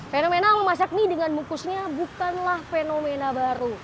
fenomena memasak mie dengan mukusnya bukanlah fenomena baru